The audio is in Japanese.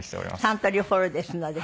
サントリーホールですので。